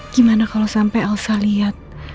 gimana kalau sampai elsa lihat